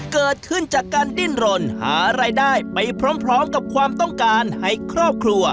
เกิดขึ้นจากการดิ้นรนหารายได้ไปพร้อมกับความต้องการให้ครอบครัว